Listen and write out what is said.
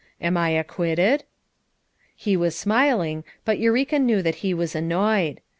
Am I ac quitted?" He was smiling, but Eureka knew that he was annoyed.